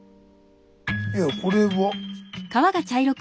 いやこれは？